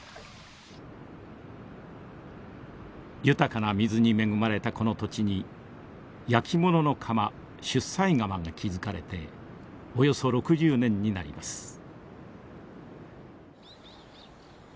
豊かな水に恵まれたこの土地にやきものの窯出西窯が築かれておよそ６０年になります。